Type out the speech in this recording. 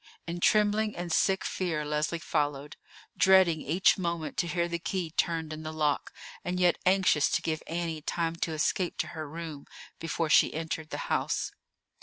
In trembling and sick fear Leslie followed, dreading each moment to hear the key turned in the lock, and yet anxious to give Annie time to escape to her room before she entered the house.